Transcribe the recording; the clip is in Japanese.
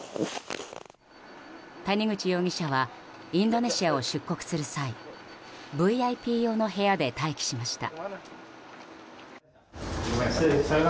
谷口容疑者はインドネシアを出国する際ＶＩＰ用の部屋で待機しました。